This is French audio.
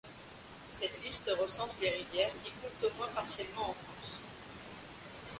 Cette liste recense les rivières qui coulent au moins partiellement en France.